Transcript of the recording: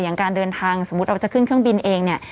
การเดินทางสมมุติเราจะขึ้นเครื่องบินเองเนี่ย